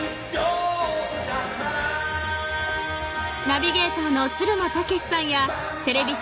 ［ナビゲーターのつるの剛士さんやテレビ